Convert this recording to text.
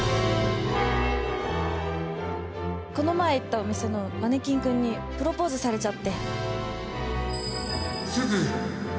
この前行ったお店のマネキン君にプロポーズされちゃって。